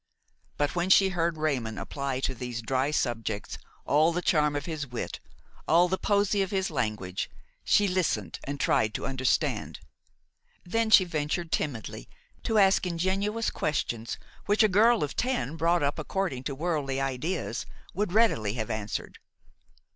But when she heard Raymon apply to those dry subjects all the charm of his wit, all the poesy of his language, she listened and tried to understand; then she ventured timidly to ask ingenuous questions which a girl of ten brought up according to worldly ideas would readily have answered.